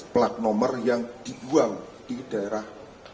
plat nomor yang dibuang di daerah